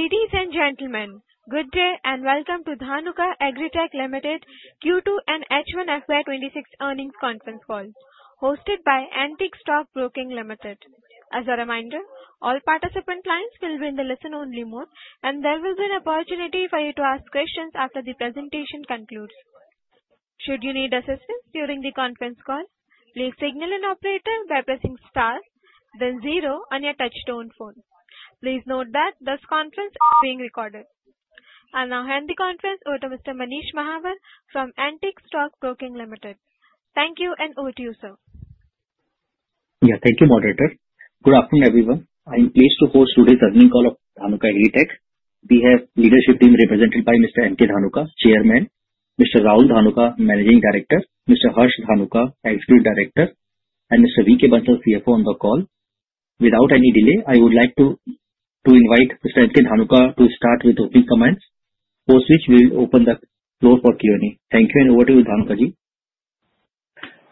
Ladies and gentlemen, good day and welcome to Dhanuka Agritech Ltd Q2 and H1 FY 2026 earnings conference call, hosted by Antique Stock Broking Ltd. As a reminder, all participant lines will be in the listen-only mode, and there will be an opportunity for you to ask questions after the presentation concludes. Should you need assistance during the conference call, please signal an operator by pressing star, then zero on your touch-tone phone. Please note that this conference is being recorded. I now hand the conference over to Mr. Manish Mahawar from Antique Stock Broking Ltd. Thank you, and over to you, sir. Yeah, thank you, Moderator. Good afternoon, everyone. I am pleased to host today's earnings call of Dhanuka Agritech. We have the leadership team represented by Mr. M.K. Dhanuka, Chairman, Mr. Rahul Dhanuka, Managing Director, Mr. Harsh Dhanuka, Executive Director, and Mr. V.K. Bansal, CFO, on the call. Without any delay, I would like to invite Mr. M.K. Dhanuka to start with the opening comments, post which we will open the floor for Q&A. Thank you, and over to you, Dhanuka ji.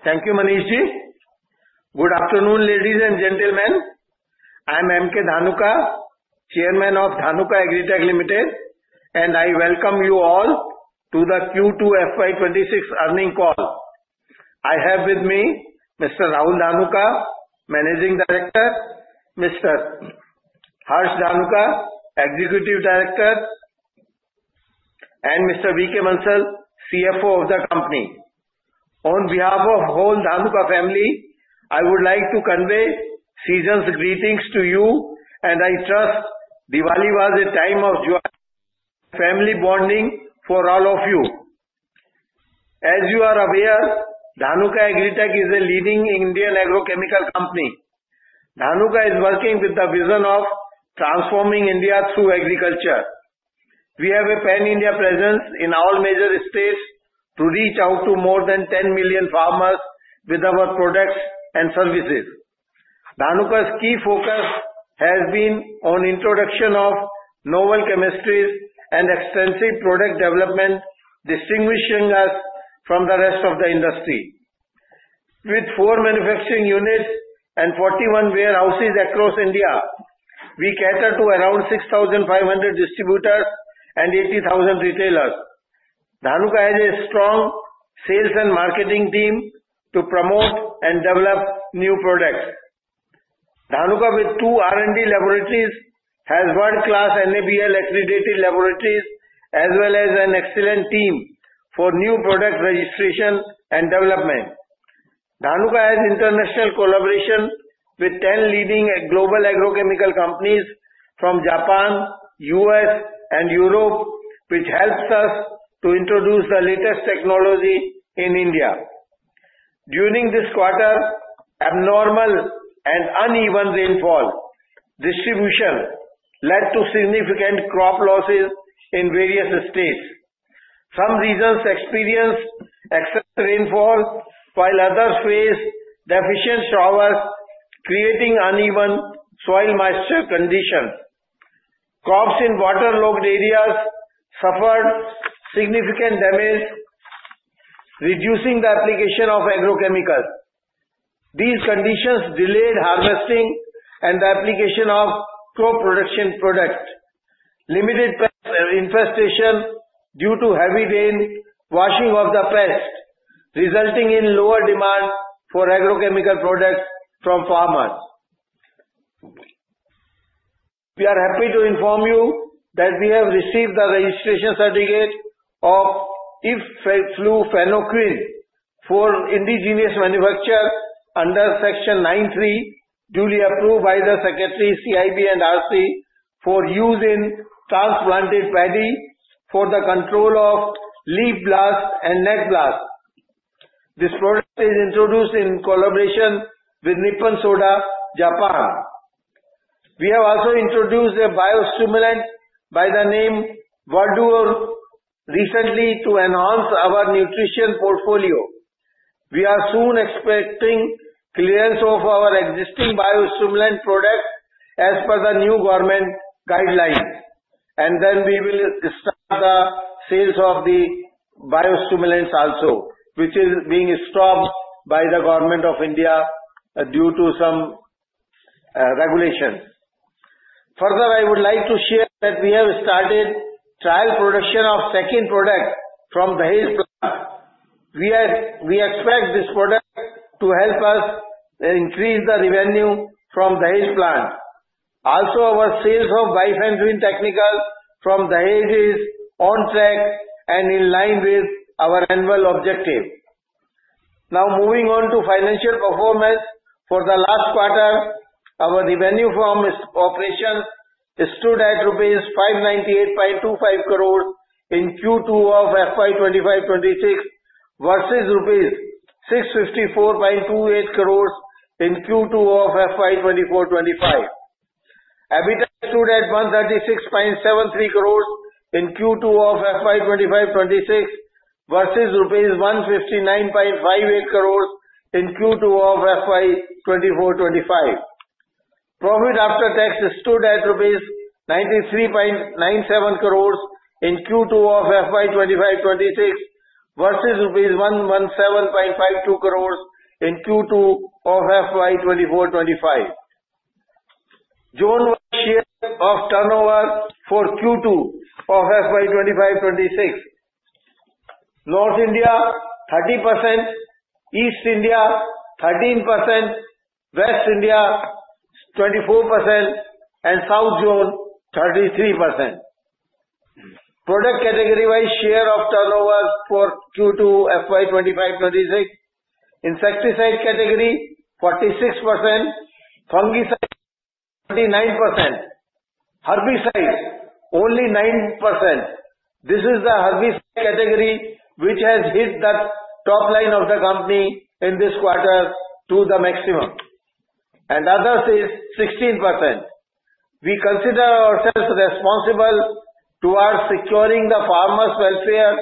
Thank you, Manish ji. Good afternoon, ladies and gentlemen. I am M.K. Dhanuka, Chairman of Dhanuka Agritech Ltd, and I welcome you all to the Q2 FY 2026 earnings call. I have with me Mr. Rahul Dhanuka, Managing Director, Mr. Harsh Dhanuka, Executive Director, and Mr. V. K. Bansal, CFO of the company. On behalf of the whole Dhanuka family, I would like to convey season's greetings to you, and I trust Diwali was a time of joy, family bonding for all of you. As you are aware, Dhanuka Agritech is a leading Indian agrochemical company. Dhanuka is working with the vision of transforming India through agriculture. We have a pan-India presence in all major states to reach out to more than 10 million farmers with our products and services. Dhanuka's key focus has been on the introduction of novel chemistries and extensive product development, distinguishing us from the rest of the industry. With four manufacturing units and 41 warehouses across India, we cater to around 6,500 distributors and 80,000 retailers. Dhanuka has a strong sales and marketing team to promote and develop new products. Dhanuka, with two R&D laboratories, has world-class NABL accredited laboratories, as well as an excellent team for new product registration and development. Dhanuka has international collaboration with 10 leading global agrochemical companies from Japan, the U.S., and Europe, which helps us to introduce the latest technology in India. During this quarter, abnormal and uneven rainfall distribution led to significant crop losses in various states. Some regions experienced excessive rainfall, while others faced deficient showers, creating uneven soil moisture conditions. Crops in waterlogged areas suffered significant damage, reducing the application of agrochemicals. These conditions delayed harvesting and the application of crop production products. Limited infestation due to heavy rain washing off the pests, resulting in lower demand for agrochemical products from farmers. We are happy to inform you that we have received the registration certificate of ipflufenoquin for indigenous manufacture under Section 9(3), duly approved by the Secretary of CIB&RC for use in transplanted paddy for the control of leaf blast and neck blast. This product is introduced in collaboration with Nippon Soda, Japan. We have also introduced a biostimulant by the name Vardh recently to enhance our nutrition portfolio. We are soon expecting clearance of our existing biostimulant products as per the new government guidelines, and then we will start the sales of the biostimulants also, which is being stopped by the Government of India due to some regulations. Further, I would like to share that we have started trial production of the second product from the Dahej plant. We expect this product to help us increase the revenue from the Dahej plant. Also, our sales of Bifenthrin Technical from the Dahej is on track and in line with our annual objective. Now, moving on to financial performance, for the last quarter, our revenue from operations stood at 598.25 crores in Q2 of FY 2025/2026 versus INR 654.28 crores in Q2 of FY 2024/2025. EBITDA stood at 136.73 crores in Q2 of FY 2025/2026 versus rupees 159.58 crores in Q2 of FY 2024/25. Profit after tax stood at rupees 93.97 crores in Q2 of FY 2025/2026 versus INR 117.52 crores in Q2 of FY 2024/2025. Zone-wise share of turnover for Q2 of FY 2025/2026. North India 30%, East India 13%, West India 24%, and South Zone 33%. Product category-wise share of turnovers for Q2 FY 2025/2026: insecticide category 46%, fungicide 29%, herbicide only 9%. This is the herbicide category which has hit the top line of the company in this quarter to the maximum, and others is 16%. We consider ourselves responsible towards securing the farmers' welfare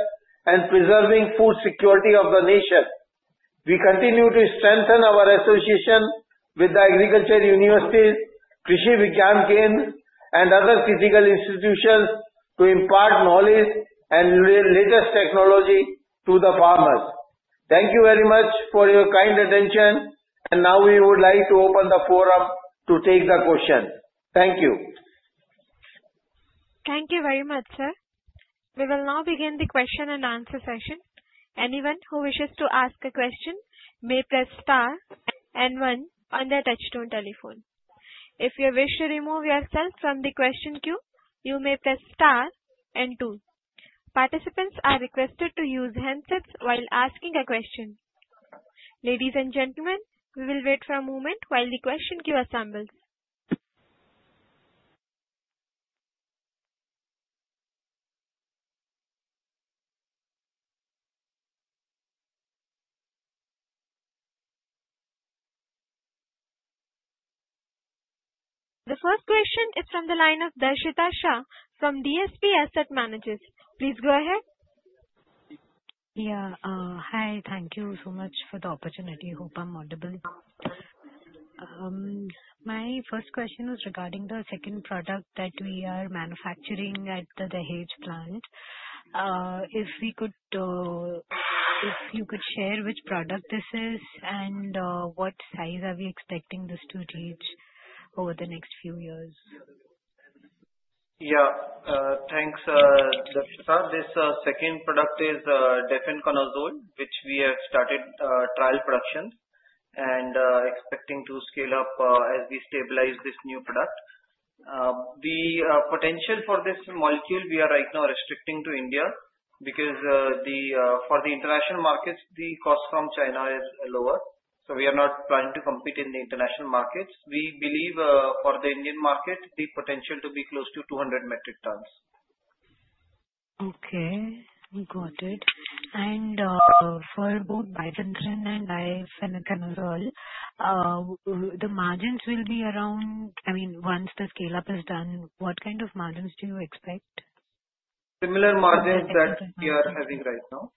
and preserving food security of the nation. We continue to strengthen our association with the agriculture universities, Krishi Vigyan Kendra, and other critical institutions to impart knowledge and latest technology to the farmers. Thank you very much for your kind attention, and now we would like to open the forum to take the questions. Thank you. Thank you very much, sir. We will now begin the question and answer session. Anyone who wishes to ask a question may press star and one on their touch-tone telephone. If you wish to remove yourself from the question queue, you may press star and two. Participants are requested to use handsets while asking a question. Ladies and gentlemen, we will wait for a moment while the question queue assembles. The first question is from the line of Darshita Shah from DSP Asset Managers. Please go ahead. Yeah, hi. Thank you so much for the opportunity. I hope I'm audible. My first question was regarding the second product that we are manufacturing at the Dahej plant. If you could share which product this is and what size are we expecting this to reach over the next few years? Yeah, thanks, Darshita. This second product is difenoconazole, which we have started trial production and expecting to scale up as we stabilize this new product. The potential for this molecule, we are right now restricting to India because for the international markets, the cost from China is lower, so we are not planning to compete in the international markets. We believe for the Indian market, the potential to be close to 200 metric tons. Okay, got it. And for both bifenthrin and difenoconazole, the margins will be around, I mean, once the scale-up is done, what kind of margins do you expect? Similar margins that we are having right now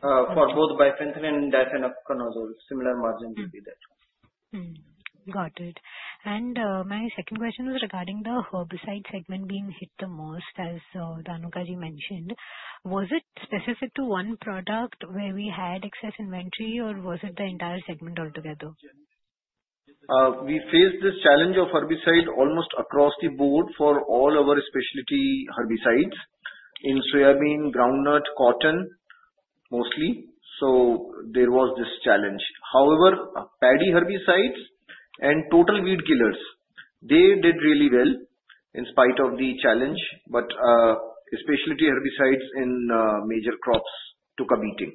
for both bifenthrin and difenoconazole. Similar margins will be there. Got it. And my second question was regarding the herbicide segment being hit the most, as Dhanuka ji mentioned. Was it specific to one product where we had excess inventory, or was it the entire segment altogether? We faced this challenge of herbicide almost across the board for all our specialty herbicides in soybean, groundnut, cotton mostly, so there was this challenge. However, paddy herbicides and total weed killers, they did really well in spite of the challenge, but specialty herbicides in major crops took a beating.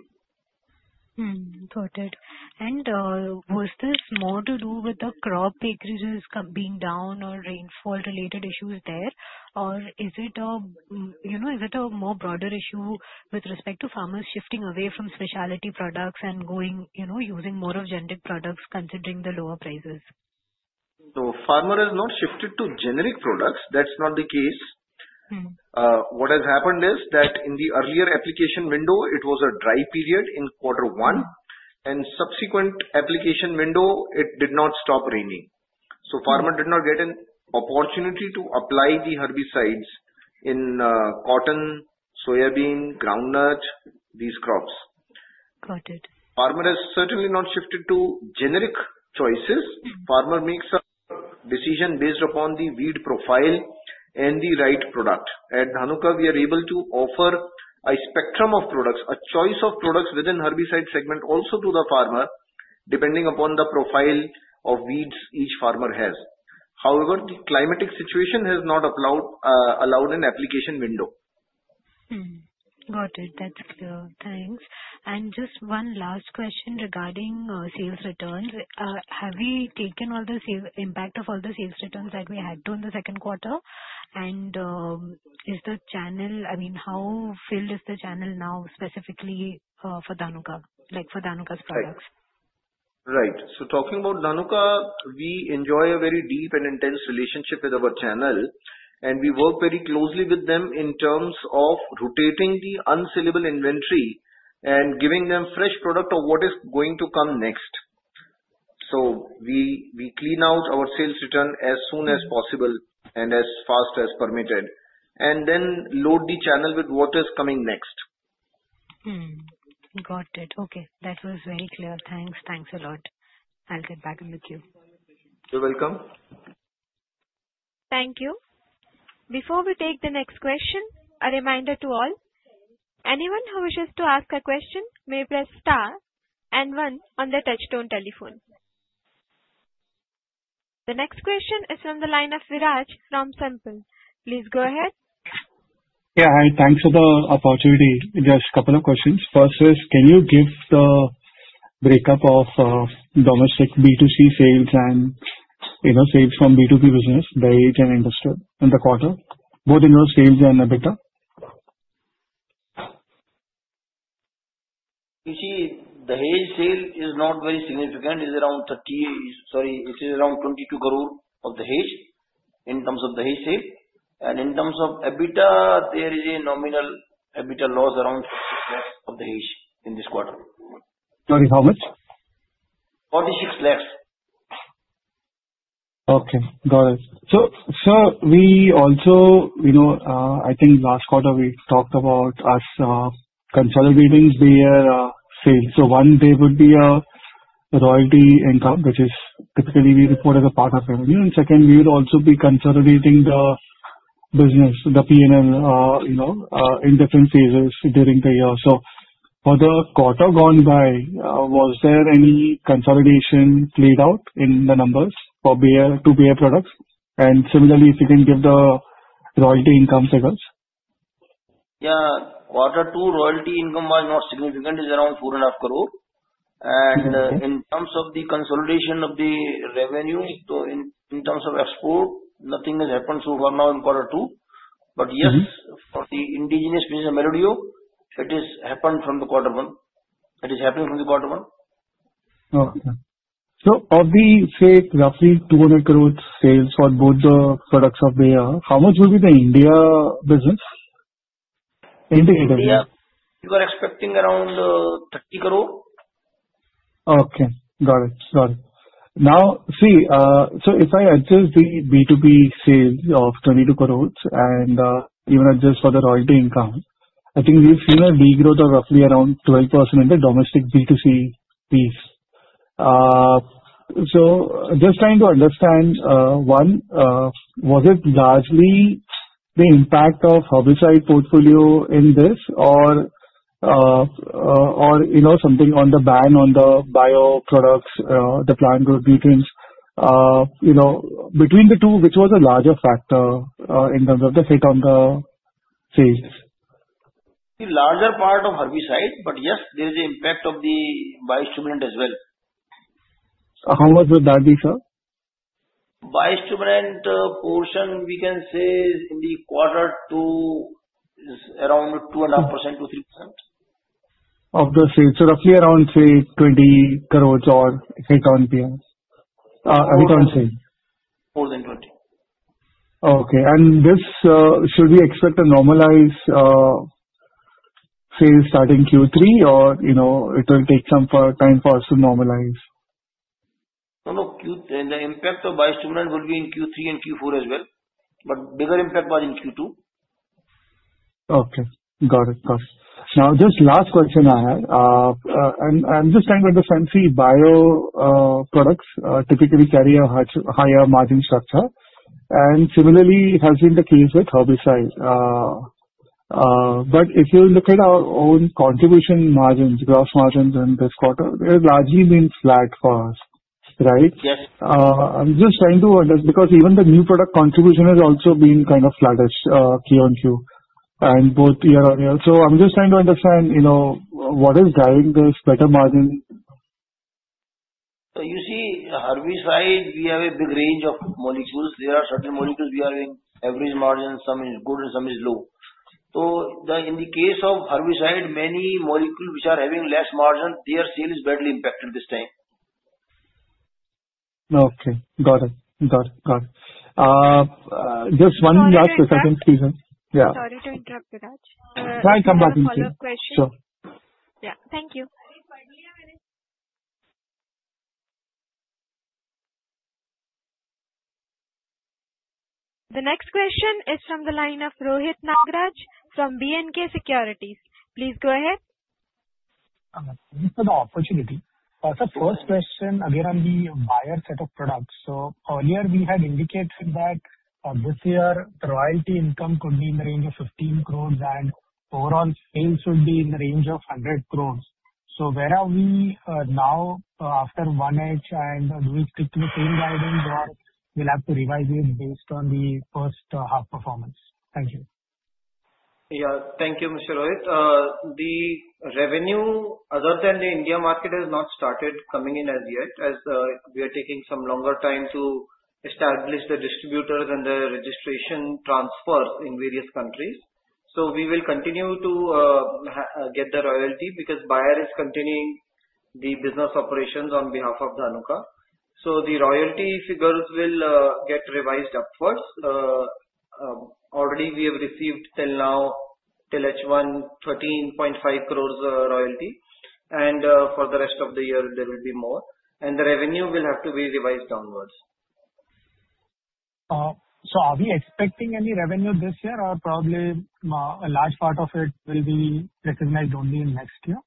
Got it. And was this more to do with the crop acreages being down or rainfall-related issues there, or is it a more broader issue with respect to farmers shifting away from specialty products and using more of generic products considering the lower prices? So, farmer has not shifted to generic products. That's not the case. What has happened is that in the earlier application window, it was a dry period in quarter one, and subsequent application window, it did not stop raining. So, farmer did not get an opportunity to apply the herbicides in cotton, soybean, groundnut, these crops. Got it. Farmer has certainly not shifted to generic choices. Farmer makes a decision based upon the weed profile and the right product. At Dhanuka, we are able to offer a spectrum of products, a choice of products within herbicide segment also to the farmer, depending upon the profile of weeds each farmer has. However, the climatic situation has not allowed an application window. Got it. That's clear. Thanks. And just one last question regarding sales returns. Have we taken all the impact of all the sales returns that we had during the second quarter? And is the channel, I mean, how filled is the channel now specifically for Dhanuka, like for Dhanuka's products? Right. So talking about Dhanuka, we enjoy a very deep and intense relationship with our channel, and we work very closely with them in terms of rotating the unsellable inventory and giving them fresh product of what is going to come next. So we clean out our sales return as soon as possible and as fast as permitted, and then load the channel with what is coming next. Got it. Okay, that was very clear. Thanks. Thanks a lot. I'll get back in the queue. You're welcome. Thank you. Before we take the next question, a reminder to all. Anyone who wishes to ask a question may press star and 1 on their touch-tone telephone. The next question is from the line of Viraj from SiMPL. Please go ahead. Yeah, hi. Thanks for the opportunity. Just a couple of questions. First is, can you give the breakup of domestic B2C sales and sales from B2B business, the Dahej and industrial in the quarter, both in sales and EBITDA? You see, the Dahej sale is not very significant. It's around 30, sorry, it is around 22 crores of the Dahej in terms of the Dahej sale. And in terms of EBITDA, there is a nominal EBITDA loss around 46 lakhs of the Dahej in this quarter. Sorry, how much? 46 lakhs. Okay, got it. So, sir, we also, I think last quarter we talked about us consolidating their sales. So one, there would be a royalty income, which is typically we report as a part of revenue. And second, we would also be consolidating the business, the P&L in different phases during the year. So for the quarter gone by, was there any consolidation played out in the numbers to Bayer products? And similarly, if you can give the royalty income figures. Yeah, quarter two, royalty income was not significant. It's around 4.5 crores. And in terms of the consolidation of the revenue, so in terms of export, nothing has happened so far now in quarter two. But yes, for the indigenous business, Melody Duo, it has happened from the quarter one. It is happening from the quarter one. Okay. So, of the, say, roughly 200 crores sales for both the products of the year, how much will be the India business indicated? Yeah, we were expecting around 30 crores. Okay, got it. Got it. Now, see, so if I adjust the B2B sales of 22 crores and even adjust for the royalty income, I think we've seen a degrowth of roughly around 12% in the domestic B2C piece. So just trying to understand, one, was it largely the impact of herbicide portfolio in this or something on the ban on the bio products, the plant root nutrients? Between the two, which was a larger factor in terms of the hit on the sales? The larger part of herbicide, but yes, there is an impact of the biostimulant as well. How much would that be, sir? Biostimulant portion, we can say in the quarter two, is around 2.5%-3%. Of the sales, so roughly around, say, 20 crores or so hit on sales. More than 20. Okay. And should we expect this to normalize sales starting Q3, or will it take some time for us to normalize? No, no. The impact of biostimulant will be in Q3 and Q4 as well, but bigger impact was in Q2. Okay, got it. Got it. Now, just last question I had. And I'm just trying to understand, see, bio products typically carry a higher margin structure. And similarly, it has been the case with herbicides. But if you look at our own contribution margins, gross margins in this quarter, it largely means flat for us, right? Yes. I'm just trying to understand because even the new product contribution has also been kind of flattish, QoQ, and both YoY. So I'm just trying to understand what is driving this better margin. You see, herbicide, we have a big range of molecules. There are certain molecules we are having average margin, some is good, and some is low. So in the case of herbicide, many molecules which are having less margin, their sale is badly impacted this time. Okay, got it. Got it. Got it. Just one last question. Yeah. Sorry to interrupt, Viraj. Try and come back in a second. One more question. Sure. Yeah. Thank you. The next question is from the line of Rohit Nagraj from B&K Securities. Please go ahead. This is an opportunity. First question, again, on the Bayer set of products. So earlier, we had indicated that this year, the royalty income could be in the range of 15 crores, and overall sales should be in the range of 100 crores. So where are we now after 1H, and do we stick to the same guidance, or will we have to revise it based on the first half performance? Thank you. Yeah, thank you, Mr. Rohit. The revenue, other than the India market, has not started coming in as yet, as we are taking some longer time to establish the distributors and the registration transfers in various countries. We will continue to get the royalty because Bayer is continuing the business operations on behalf of Dhanuka. The royalty figures will get revised upwards. Already, we have received till now, till H1, 13.5 crores royalty, and for the rest of the year, there will be more. The revenue will have to be revised downwards. So are we expecting any revenue this year, or probably a large part of it will be recognized only in next year?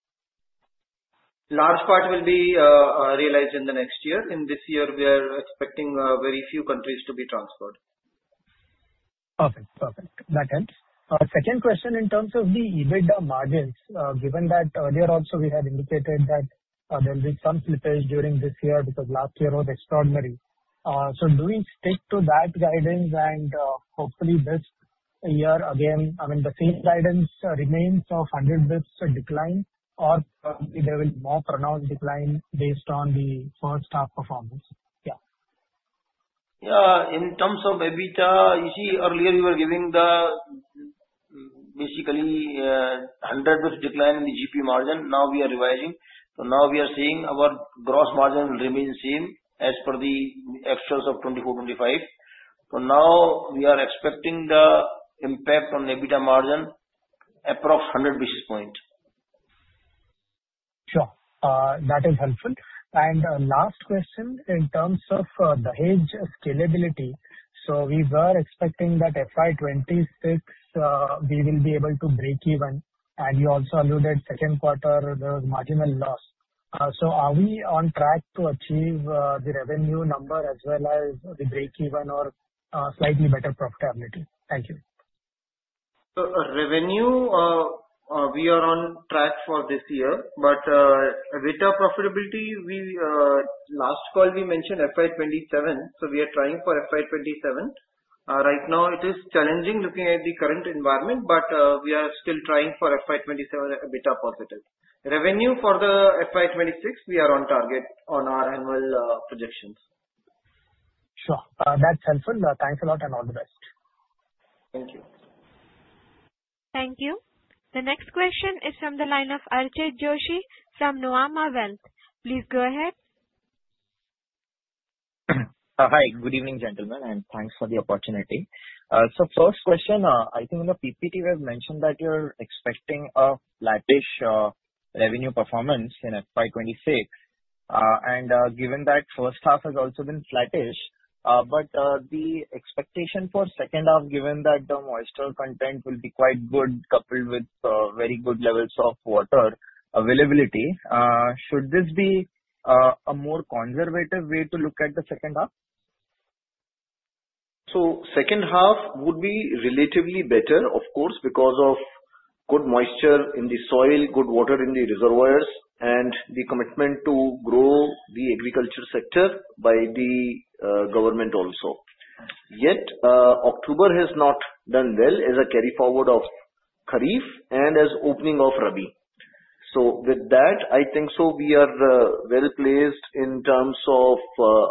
Large part will be realized in the next year. In this year, we are expecting very few countries to be transferred. Perfect. Perfect. That helps. Second question, in terms of the EBITDA margins, given that earlier also we had indicated that there will be some slippage during this year because last year was extraordinary. So do we stick to that guidance, and hopefully this year, again, I mean, the same guidance remains of 100 basis points decline, or there will be more pronounced decline based on the first half performance? Yeah. Yeah. In terms of EBITDA, you see, earlier we were basically giving 100 basis points decline in the GP margin. Now we are revising. So now we are seeing our gross margin will remain the same as per the FY 2024-2025. So now we are expecting the impact on EBITDA margin approximately 100 basis points. Sure. That is helpful. And last question, in terms of the Dahej scalability, so we were expecting that FY 2026, we will be able to break even, and you also alluded second quarter, there was marginal loss. So are we on track to achieve the revenue number as well as the break even or slightly better profitability? Thank you. So, revenue, we are on track for this year, but EBITDA profitability, last call we mentioned FY 2027, so we are trying for FY 2027. Right now, it is challenging, looking at the current environment, but we are still trying for FY 2027 EBITDA positive. Revenue for the FY 2026, we are on target on our annual projections. Sure. That's helpful. Thanks a lot, and all the best. Thank you. Thank you. The next question is from the line of Archit Joshi from Nuvama Wealth. Please go ahead. Hi. Good evening, gentlemen, and thanks for the opportunity. So first question, I think in the PPT, we have mentioned that you're expecting a flattish revenue performance in FY 2026. And given that first half has also been flattish, but the expectation for second half, given that the moisture content will be quite good coupled with very good levels of water availability, should this be a more conservative way to look at the second half? So second half would be relatively better, of course, because of good moisture in the soil, good water in the reservoirs, and the commitment to grow the agriculture sector by the government also. Yet, October has not done well as a carry forward of Kharif and as opening of Rabi. So with that, I think so we are well placed in terms of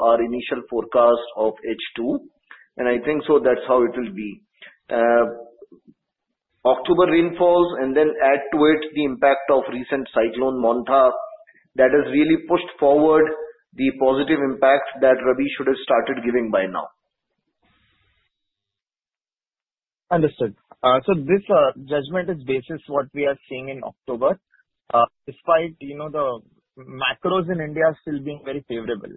our initial forecast of H2, and I think so that's how it will be. October rainfalls and then add to it the impact of recent cyclone Montha that has really pushed forward the positive impact that Rabi should have started giving by now. Understood. So this judgment is based on what we are seeing in October, despite the macros in India still being very favorable.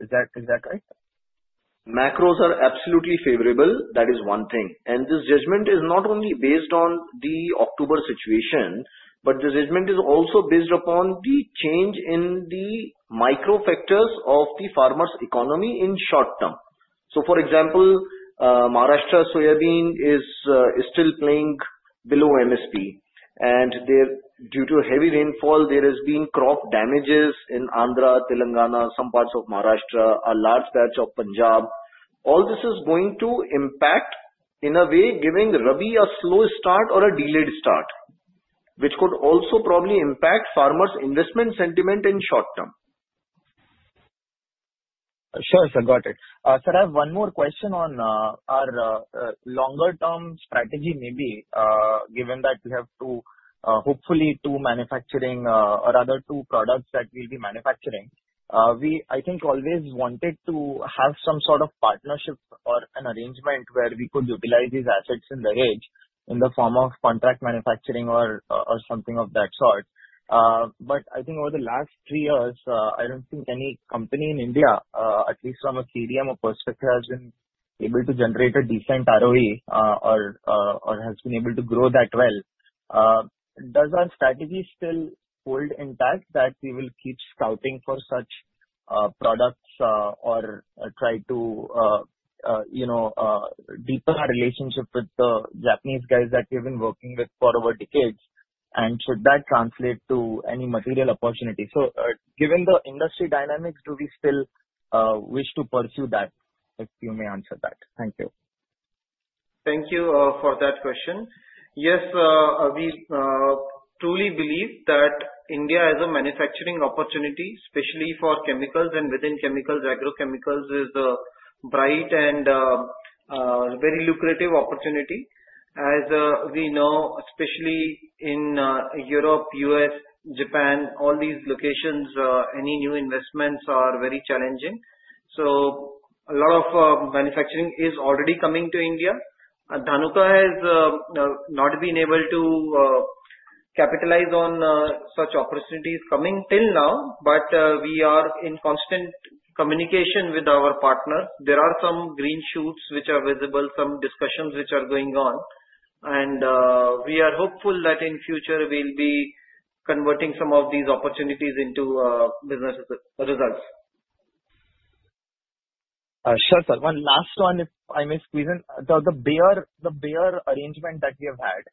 Is that right? Macros are absolutely favorable. That is one thing, and this judgment is not only based on the October situation, but the judgment is also based upon the change in the micro factors of the farmers' economy in short term, so for example, Maharashtra soybean is still playing below MSP, and due to heavy rainfall, there has been crop damages in Andhra, Telangana, some parts of Maharashtra, a large part of Punjab. All this is going to impact in a way, giving Rabi a slow start or a delayed start, which could also probably impact farmers' investment sentiment in short term. Sure. I got it. Sir, I have one more question on our longer-term strategy, maybe, given that we have hopefully two manufacturing or other two products that we'll be manufacturing. I think always wanted to have some sort of partnership or an arrangement where we could utilize these assets in the Dahej in the form of contract manufacturing or something of that sort. But I think over the last three years, I don't think any company in India, at least from a CDMO perspective, has been able to generate a decent ROE or has been able to grow that well. Does our strategy still hold intact that we will keep scouting for such products or try to deepen our relationship with the Japanese guys that we have been working with for over decades? And should that translate to any material opportunity? So given the industry dynamics, do we still wish to pursue that? If you may answer that. Thank you. Thank you for that question. Yes, we truly believe that India has a manufacturing opportunity, especially for chemicals and within chemicals, agrochemicals is a bright and very lucrative opportunity. As we know, especially in Europe, U.S., Japan, all these locations, any new investments are very challenging. So a lot of manufacturing is already coming to India. Dhanuka has not been able to capitalize on such opportunities coming till now, but we are in constant communication with our partners. There are some green shoots which are visible, some discussions which are going on, and we are hopeful that in future, we'll be converting some of these opportunities into business results. Sure. One last one, if I may squeeze in. The Bayer arrangement that we have had,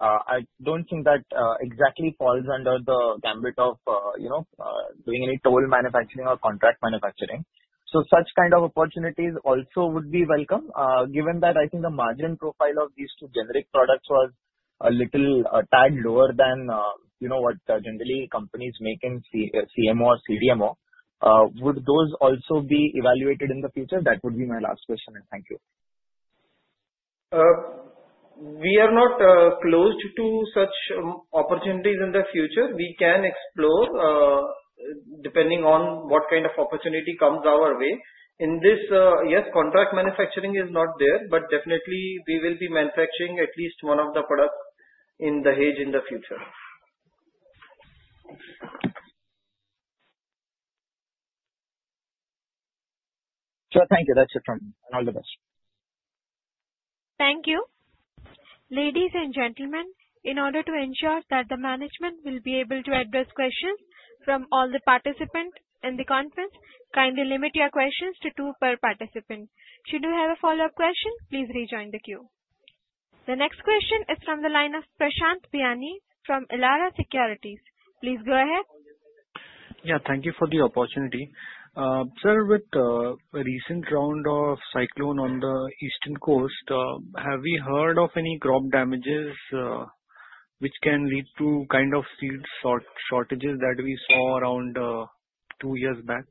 I don't think that exactly falls under the gambit of doing any toll manufacturing or contract manufacturing. So such kind of opportunities also would be welcome, given that I think the margin profile of these two generic products was a little tad lower than what generally companies make in CMO or CDMO. Would those also be evaluated in the future? That would be my last question, and thank you. We are not closed to such opportunities in the future. We can explore depending on what kind of opportunity comes our way. In this, yes, contract manufacturing is not there, but definitely, we will be manufacturing at least one of the products in the Dahej in the future. Sure. Thank you. That's it from me. All the best. Thank you. Ladies and gentlemen, in order to ensure that the management will be able to address questions from all the participants in the conference, kindly limit your questions to two per participant. Should you have a follow-up question, please rejoin the queue. The next question is from the line of Prashant Biyani from Elara Securities. Please go ahead. Yeah. Thank you for the opportunity. Sir, with the recent round of cyclone on the eastern coast, have we heard of any crop damages which can lead to kind of seed shortages that we saw around two years back?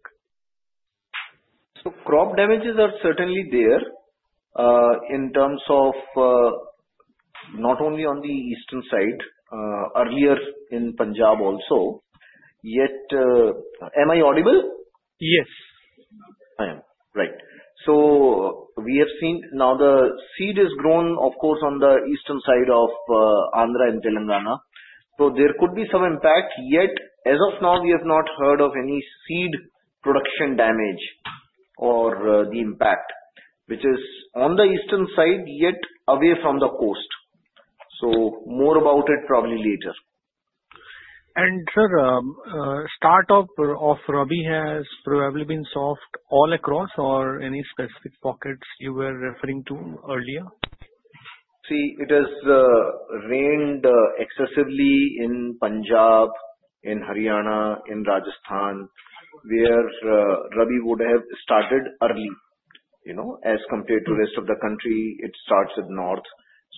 So crop damages are certainly there in terms of not only on the eastern side, earlier in Punjab also. Yet, am I audible? Yes. I am right. So we have seen now the seed is grown, of course, on the eastern side of Andhra and Telangana. So there could be some impact. Yet, as of now, we have not heard of any seed production damage or the impact, which is on the eastern side, yet away from the coast. So more about it probably later. Sir, startup of Rabi has probably been soft all across or any specific pockets you were referring to earlier? See, it has rained excessively in Punjab, in Haryana, in Rajasthan, where Rabi would have started early. As compared to the rest of the country, it starts with north.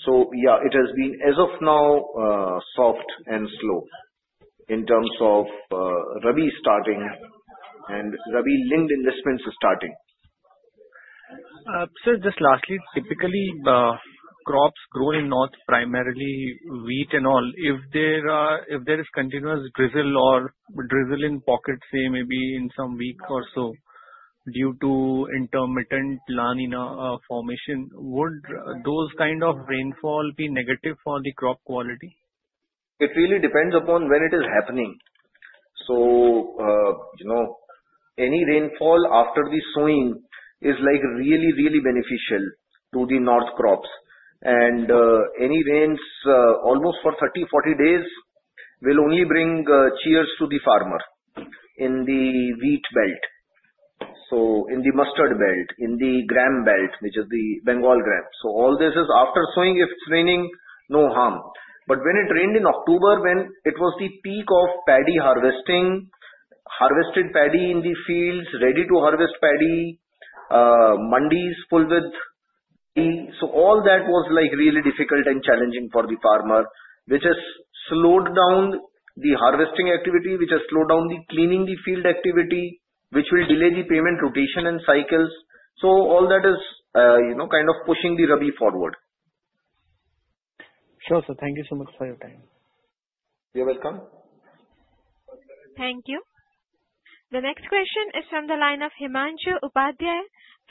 So yeah, it has been, as of now, soft and slow in terms of Rabi starting and Rabi-linked investments starting. Sir, just lastly, typically, crops grown in north, primarily wheat and all, if there is continuous drizzle or drizzle in pockets, say, maybe in some week or so due to intermittent La Niña formation, would those kind of rainfall be negative for the crop quality? It really depends upon when it is happening. So any rainfall after the sowing is really, really beneficial to the north crops. And any rains almost for 30-40 days will only bring cheers to the farmer in the wheat belt, so in the mustard belt, in the gram belt, which is the Bengal gram. So all this is after sowing. If it's raining, no harm. But when it rained in October, when it was the peak of paddy harvesting, harvested paddy in the fields, ready to harvest paddy, mandis full with paddy, so all that was really difficult and challenging for the farmer, which has slowed down the harvesting activity, which has slowed down the cleaning field activity, which will delay the payment rotation and cycles. So all that is kind of pushing the Rabi forward. Sure. Sir, thank you so much for your time. You're welcome. Thank you. The next question is from the line of [Himanshu Upadhyay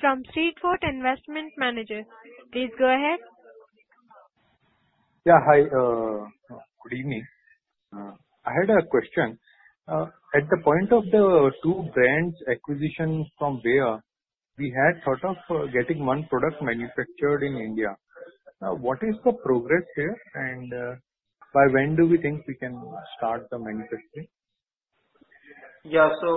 from SeaFort] Investment Managers. Please go ahead. Yeah. Hi. Good evening. I had a question. At the point of the two brands' acquisition from Bayer, we had thought of getting one product manufactured in India. What is the progress here, and by when do we think we can start the manufacturing? Yeah, so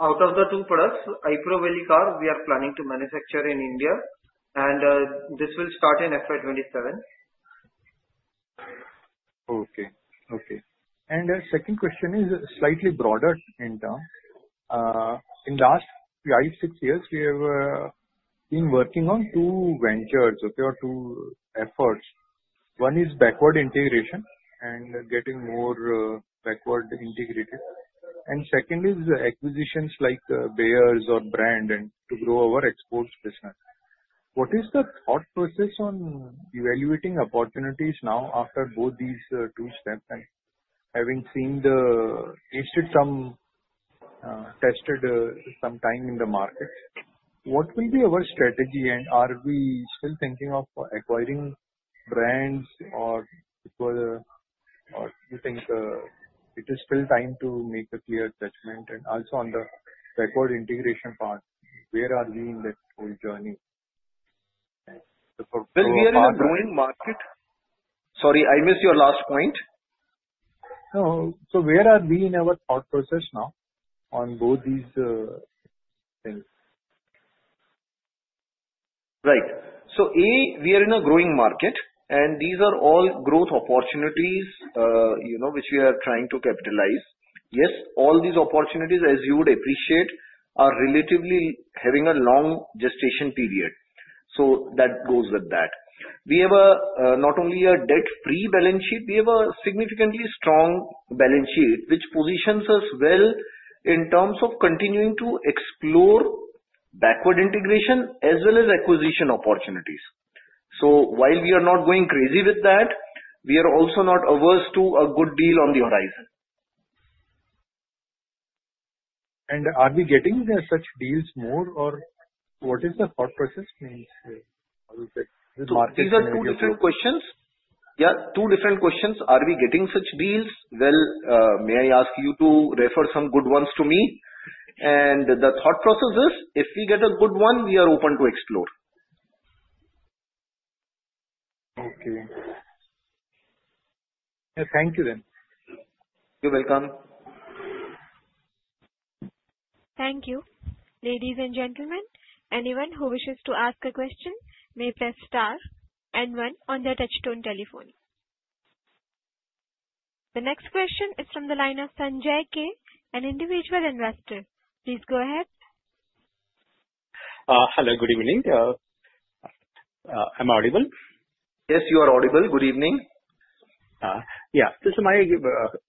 out of the two products, iprovalicarb, we are planning to manufacture in India, and this will start in FY 2027. Okay. Okay. And the second question is slightly broader in terms. In the last five, six years, we have been working on two ventures, okay, or two efforts. One is backward integration and getting more backward integrated. And the second is acquisitions like Bayer or brand and to grow our exports business. What is the thought process on evaluating opportunities now after both these two steps and having seen the industry somewhat tested over time in the market? What will be our strategy, and are we still thinking of acquiring brands or do you think it's still too early to make a clear judgment? And also on the backward integration part, where are we in the whole journey? We are in a growing market. Sorry, I missed your last point. No. So where are we in our thought process now on both these things? Right. So A, we are in a growing market, and these are all growth opportunities which we are trying to capitalize. Yes, all these opportunities, as you would appreciate, are relatively having a long gestation period. So that goes with that. We have not only a debt-free balance sheet, we have a significantly strong balance sheet, which positions us well in terms of continuing to explore backward integration as well as acquisition opportunities. So while we are not going crazy with that, we are also not averse to a good deal on the horizon. Are we getting such deals more, or what is the thought process? These are two different questions. Yeah. Two different questions. Are we getting such deals? Well, may I ask you to refer some good ones to me? And the thought process is, if we get a good one, we are open to explore. Okay. Thank you then. You're welcome. Thank you. Ladies and gentlemen, anyone who wishes to ask a question may press star and one on their touchstone telephone. The next question is from the line of Sanjay K., an individual investor. Please go ahead. Hello. Good evening. Am I audible? Yes, you are audible. Good evening. Yeah. This is my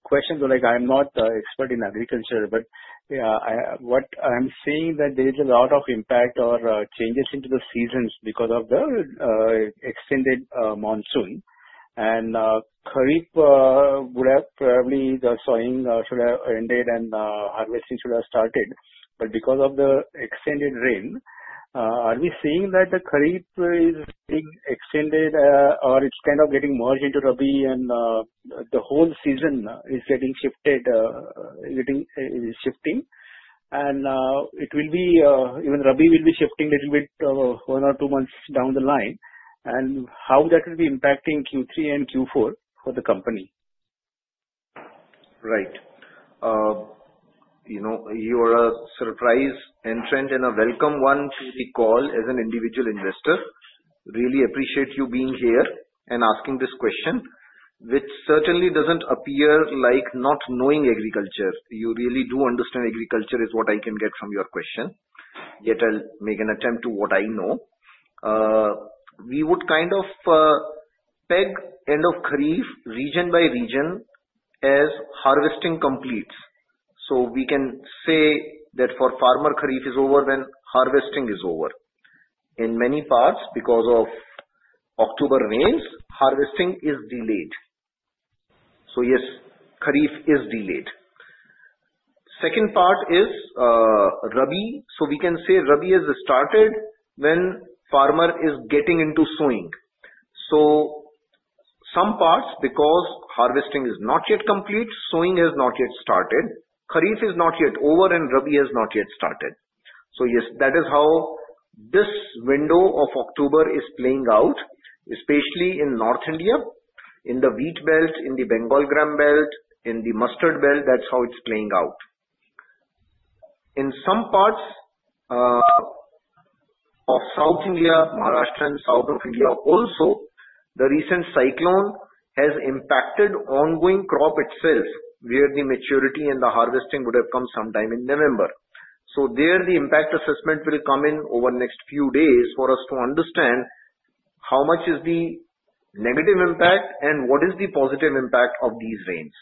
question. I'm not an expert in agriculture, but what I'm seeing is that there is a lot of impact or changes into the seasons because of the extended monsoon. And Kharif would have probably the sowing should have ended and harvesting should have started. But because of the extended rain, are we seeing that the Kharif is being extended or it's kind of getting merged into Rabi and the whole season is getting shifting? And it will be even Rabi will be shifting a little bit one or two months down the line. And how that will be impacting Q3 and Q4 for the company? Right. You are a surprise entrant and a welcome one to the call as an individual investor. Really appreciate you being here and asking this question, which certainly doesn't appear like not knowing agriculture. You really do understand agriculture is what I can get from your question. Yet, I'll make an attempt to what I know. We would kind of peg end of Kharif region by region as harvesting completes. So we can say that for farmer, Kharif is over when harvesting is over. In many parts, because of October rains, harvesting is delayed. So yes, Kharif is delayed. Second part is Rabi. So we can say Rabi has started when farmer is getting into sowing. So some parts, because harvesting is not yet complete, sowing has not yet started. Kharif is not yet over and Rabi has not yet started. So yes, that is how this window of October is playing out, especially in North India, in the wheat belt, in the Bengal gram belt, in the mustard belt. That's how it's playing out. In some parts of South India, Maharashtra, and south of India also, the recent cyclone has impacted ongoing crop itself, where the maturity and the harvesting would have come sometime in November. So there, the impact assessment will come in over the next few days for us to understand how much is the negative impact and what is the positive impact of these rains.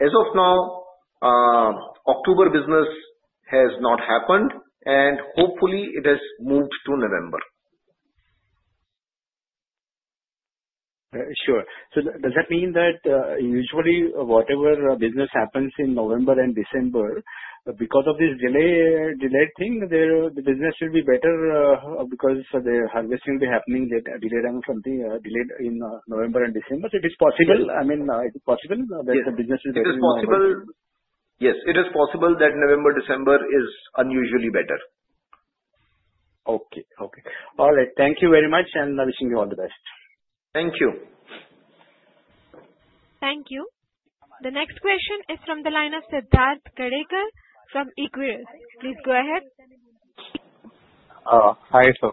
As of now, October business has not happened, and hopefully, it has moved to November. Sure. So does that mean that usually whatever business happens in November and December, because of this delayed thing, the business will be better because the harvesting will be happening delayed in November and December? It is possible. I mean, it is possible that the business is better in November. Yes, it is possible that November, December is unusually better. Okay. All right. Thank you very much, and wishing you all the best. Thank you. Thank you. The next question is from the line of Siddharth Gadekar from Equirus. Please go ahead. Hi, sir.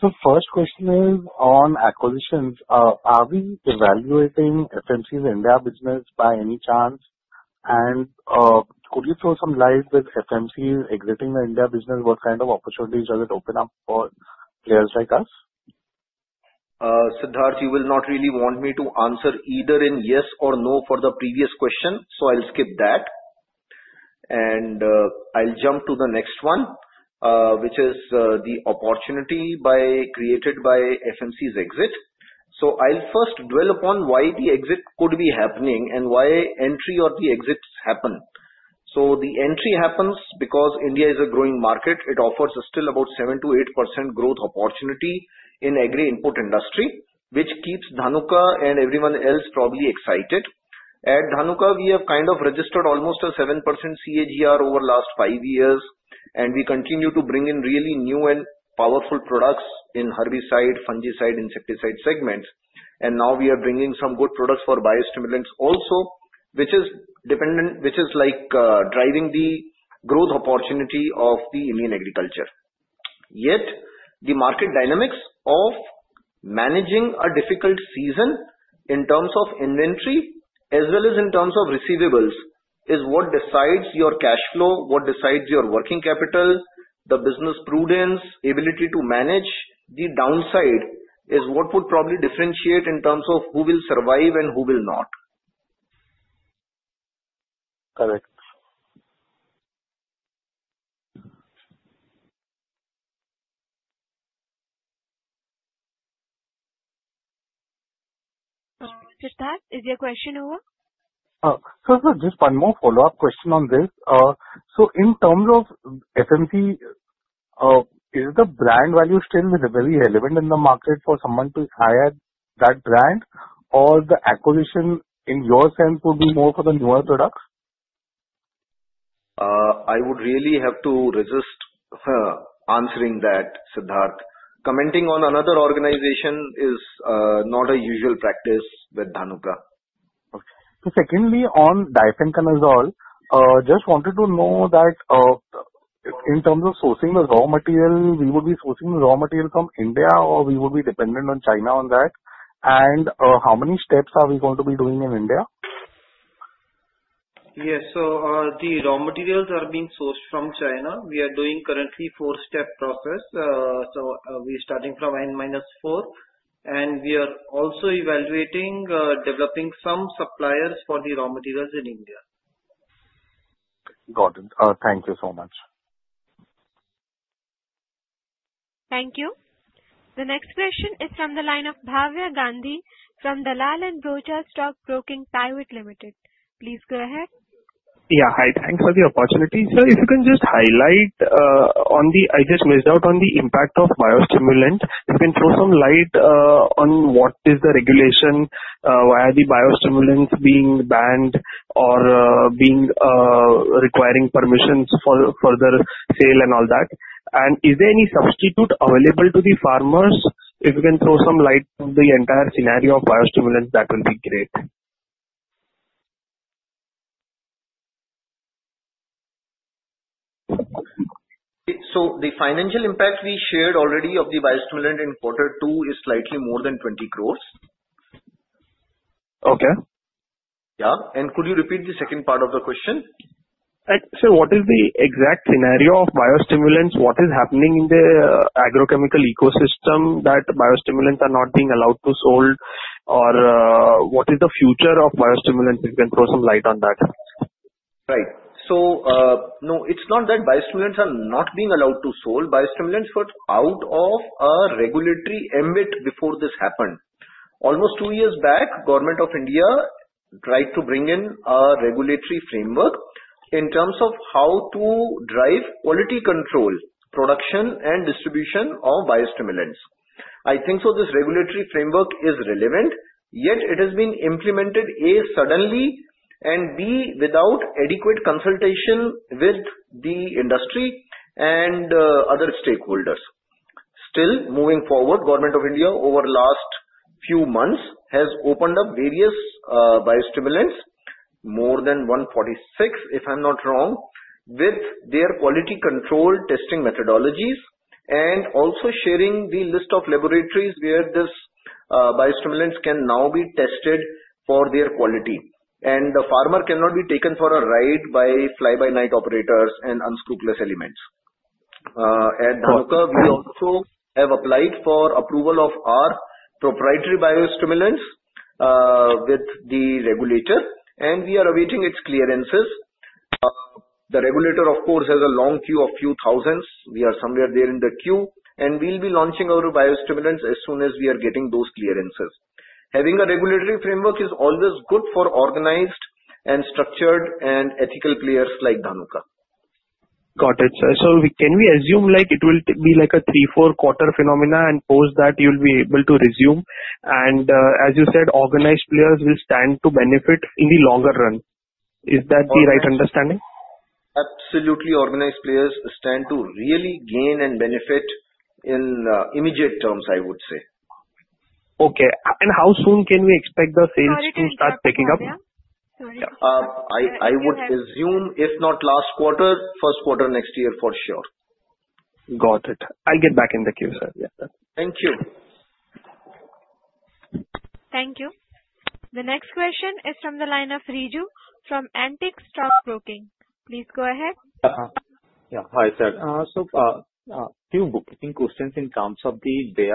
So first question is on acquisitions. Are we evaluating FMC's India business by any chance? And could you throw some light on FMC's exiting the India business? What kind of opportunities does it open up for players like us? Siddharth, you will not really want me to answer either in yes or no for the previous question, so I'll skip that. And I'll jump to the next one, which is the opportunity created by FMC's exit. So I'll first dwell upon why the exit could be happening and why entry or the exit happen. So the entry happens because India is a growing market. It offers still about 7%-8% growth opportunity in agri-input industry, which keeps Dhanuka and everyone else probably excited. At Dhanuka, we have kind of registered almost a 7% CAGR over the last five years, and we continue to bring in really new and powerful products in herbicide, fungicide, insecticide segments. And now we are bringing some good products for biostimulants also, which is like driving the growth opportunity of the Indian agriculture. Yet, the market dynamics of managing a difficult season in terms of inventory as well as in terms of receivables is what decides your cash flow, what decides your working capital, the business prudence, ability to manage the downside is what would probably differentiate in terms of who will survive and who will not. Correct. Siddharth, is your question over? Sir, just one more follow-up question on this. So in terms of FMC, is the brand value still very relevant in the market for someone to hire that brand, or the acquisition in your sense would be more for the newer products? I would really have to resist answering that, Siddharth. Commenting on another organization is not a usual practice with Dhanuka. Okay. So secondly, on difenoconazole, just wanted to know that in terms of sourcing the raw material, we would be sourcing the raw material from India, or we would be dependent on China on that? And how many steps are we going to be doing in India? Yes. So the raw materials are being sourced from China. We are doing currently four-step process. So we are starting from N-4, and we are also evaluating developing some suppliers for the raw materials in India. Got it. Thank you so much. Thank you. The next question is from the line of Bhavya Gandhi from Dalal & Broacha Stock Broking Private Limited. Please go ahead. Yeah. Hi. Thanks for the opportunity. Sir, if you can just highlight on the I just missed out on the impact of biostimulant. If you can throw some light on what is the regulation why are the biostimulants being banned or requiring permissions for further sale and all that? And is there any substitute available to the farmers? If you can throw some light on the entire scenario of biostimulants, that will be great. The financial impact we shared already of the biostimulant in quarter two is slightly more than 20 crores. Okay. Yeah. And could you repeat the second part of the question? Sir, what is the exact scenario of biostimulants? What is happening in the agrochemical ecosystem that biostimulants are not being allowed to sold? Or what is the future of biostimulants? If you can throw some light on that. Right. So no, it's not that biostimulants are not being allowed to sold. Biostimulants were out of a regulatory ambit before this happened. Almost two years back, the government of India tried to bring in a regulatory framework in terms of how to drive quality control, production, and distribution of biostimulants. I think this regulatory framework is relevant. Yet, it has been implemented A, suddenly, and B, without adequate consultation with the industry and other stakeholders. Still, moving forward, the government of India over the last few months has opened up various biostimulants, more than 146, if I'm not wrong, with their quality control testing methodologies, and also sharing the list of laboratories where these biostimulants can now be tested for their quality. The farmer cannot be taken for a ride by fly-by-night operators and unscrupulous elements. At Dhanuka, we also have applied for approval of our proprietary biostimulants with the regulator, and we are awaiting its clearances. The regulator, of course, has a long queue of a few thousands. We are somewhere there in the queue, and we'll be launching our biostimulants as soon as we are getting those clearances. Having a regulatory framework is always good for organized and structured and ethical players like Dhanuka. Got it. So can we assume it will be like a three- or four-quarter phenomenon and after that you'll be able to resume? And as you said, organized players will stand to benefit in the long run. Is that the right understanding? Absolutely. Organized players stand to really gain and benefit in immediate terms, I would say. Okay. And how soon can we expect the sales to start picking up? I would assume if not last quarter, first quarter next year for sure. Got it. I'll get back in the queue, sir. Thank you. Thank you. The next question is from the line of Riju from Antique Stock Broking. Please go ahead. Yeah. Hi, sir. So a few bookkeeping questions in terms of the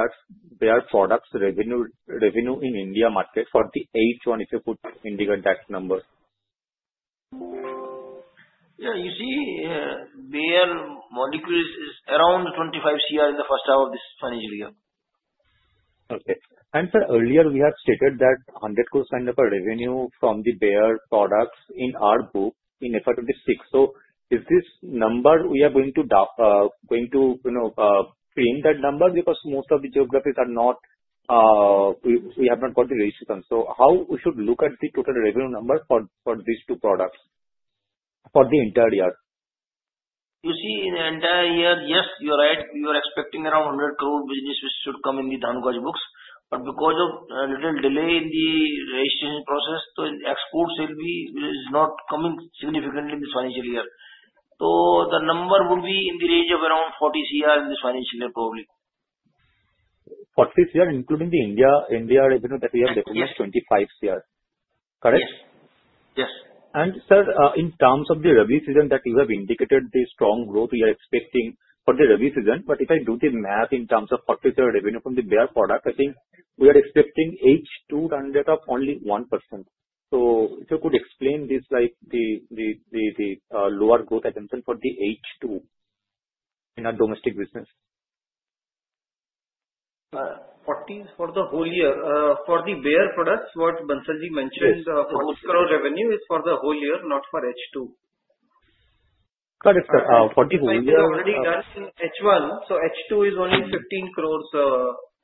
Bayer products revenue in India market for the H1, if you could indicate that number. Yeah. You see, Bayer molecules is around 25 crore in the first half of this financial year. Okay. And sir, earlier we have stated that 100 crores kind of a revenue from the Bayer products in our book in FY 2026. So is this number we are going to claim that number? Because most of the geographies we have not got the registration. So how we should look at the total revenue number for these two products for the entire year? You see, in the entire year, yes, you're right. We were expecting around 100 crore business which should come in the Dhanuka's books. But because of a little delay in the registration process, the exports will be not coming significantly in this financial year. So the number would be in the range of around 40 crore in this financial year, probably. 40 crore, including the India revenue that we have defined as 25 crore. Correct? Yes. Yes. Sir, in terms of the Rabi season that you have indicated, the strong growth we are expecting for the Rabi season. If I do the math in terms of 40 crore revenue from the Bayer product, I think we are expecting H2 to run-rate up only 1%. If you could explain this like the lower growth expectation for the H2 in our domestic business. 40 for the whole year. For the Bayer products, what Bansalji mentioned for INR 20 crore revenue is for the whole year, not for H2. Correct, sir. For the whole year. We are already done in H1. So H2 is only 15 crores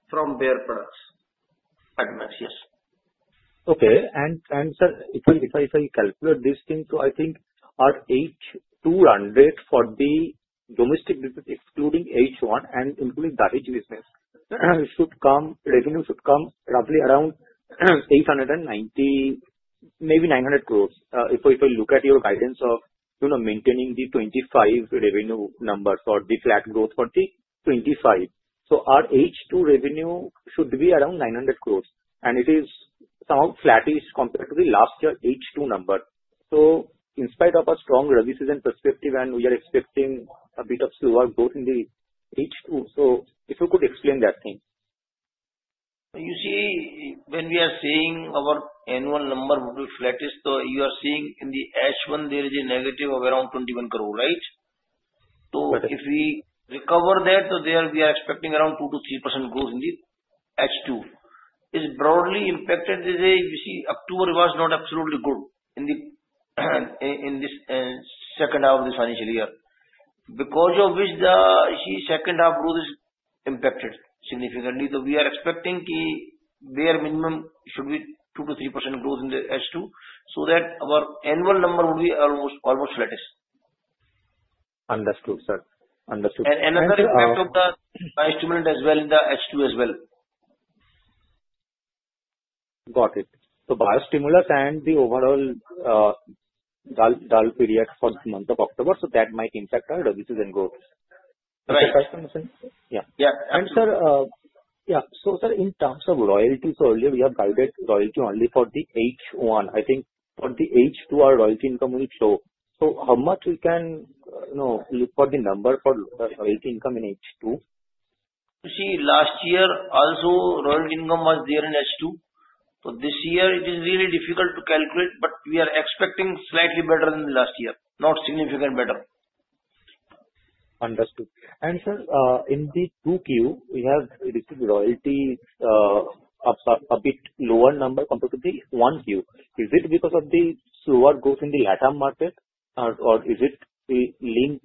from Bayer products. Advance, yes. Okay. And sir, if I calculate this thing, so I think our H2 2024 for the domestic business, excluding H1 and including Dahej business, revenue should come roughly around 890 crores, maybe 900 crores. If I look at your guidance of maintaining the 2025 revenue numbers or the flat growth for the 2025, so our H2 revenue should be around 900 crores. And it is somehow flattish compared to the last year H2 number. So in spite of a strong Rabi season perspective, we are expecting a bit of slower growth in the H2. So if you could explain that thing. You see, when we are seeing our annual number would be flattish. You are seeing in the H1, there is a negative of around 21 crore, right? So if we recover that, so there we are expecting around 2% to 3% growth in the H2. It's broadly impacted. You see, October was not absolutely good in this second half of the financial year. Because of which the second half growth is impacted significantly. So we are expecting the bare minimum should be 2% to 3% growth in the H2 so that our annual number would be almost flattish. Understood, sir. Understood. Another impact of the biostimulant as well in the H2 as well. Got it, so biostimulant and the overall dull period for the month of October, so that might impact our Rabi season growth. Right. Sir, in terms of royalty, earlier we have guided royalty only for the H1. I think for the H2, our royalty income will show. How much can we look for the number for royalty income in H2? You see, last year also royalty income was there in H2. So this year, it is really difficult to calculate, but we are expecting slightly better than last year, not significant better. Understood. Sir, in the 2Q, we have received royalty a bit lower number compared to the 1Q. Is it because of the slower growth in the LATAM market, or is it the link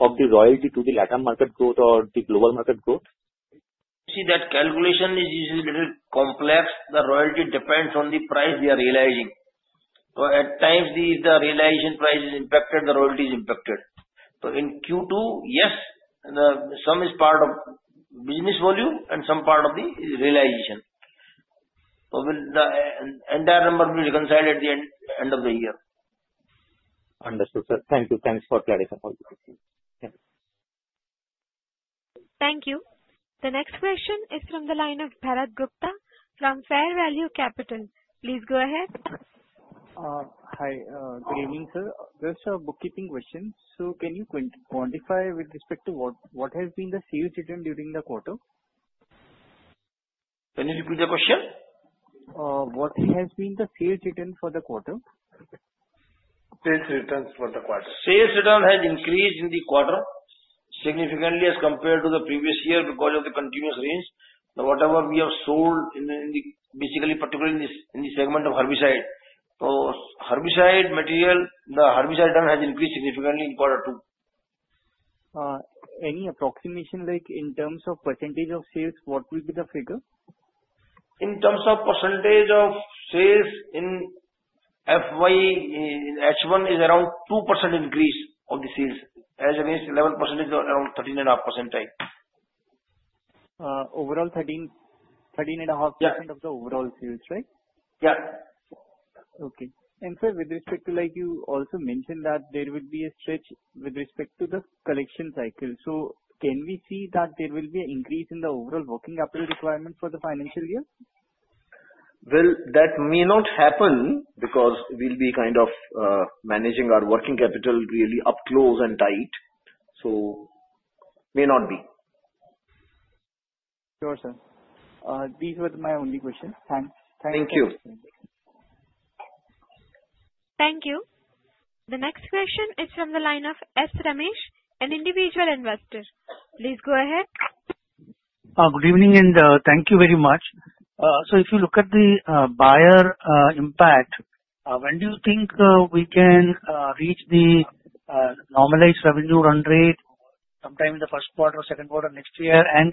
of the royalty to the LATAM market growth or the global market growth? You see, that calculation is a little complex. The royalty depends on the price we are realizing. So at times, the realization price is impacted, the royalty is impacted. So in Q2, yes, some is part of business volume and some part of the realization. So the entire number will be reconciled at the end of the year. Understood, sir. Thank you. Thanks for clarifying. Thank you. The next question is from the line of Bharat Gupta from Fair Value Capital. Please go ahead. Hi. Good evening, sir. There's a bookkeeping question. So can you quantify with respect to what has been the sales return during the quarter? Can you repeat the question? What has been the sales return for the quarter? Sales returns for the quarter. Sales return has increased in the quarter significantly as compared to the previous year because of the continuous rains. Whatever we have sold, in particular, in the segment of herbicide. So, herbicide material, the herbicide return has increased significantly in quarter two. Any approximation like in terms of percentage of sales, what will be the figure? In terms of percentage of sales in FY, H1 is around two% increase of the sales, as against 11% is around 13.5%. Overall 13.5% of the overall sales, right? Yeah. Okay. And sir, with respect to like you also mentioned that there will be a stretch with respect to the collection cycle. So can we see that there will be an increase in the overall working capital requirement for the financial year? That may not happen because we'll be kind of managing our working capital really up close and tight. May not be. Sure, sir. These were my only questions. Thanks. Thank you. Thank you. The next question is from the line of S. Ramesh, an individual investor. Please go ahead. Good evening and thank you very much. So if you look at the Bayer impact, when do you think we can reach the normalized revenue run rate sometime in the first quarter or second quarter next year? And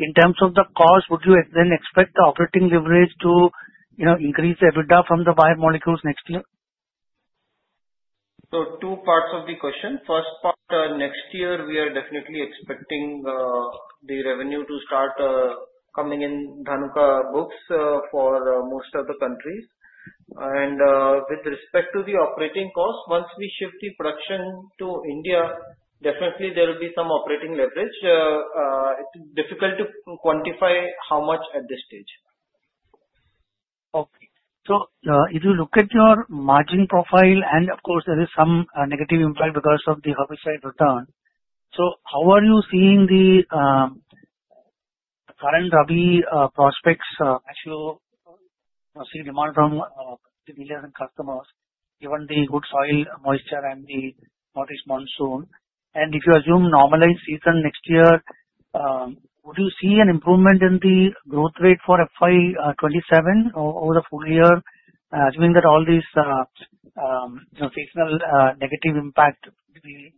in terms of the cost, would you then expect the operating leverage to increase the EBITDA from the biomolecules next year? So two parts of the question. First part, next year we are definitely expecting the revenue to start coming in Dhanuka books for most of the countries. And with respect to the operating cost, once we shift the production to India, definitely there will be some operating leverage. It's difficult to quantify how much at this stage. Okay. So if you look at your margin profile, and of course, there is some negative impact because of the herbicide return. So how are you seeing the current Rabi prospects? Actually, seeing demand from the millions of customers, given the good soil moisture and the moist monsoon. And if you assume normalized season next year, would you see an improvement in the growth rate for FY 2027 over the full year? Assuming that all these seasonal negative impact we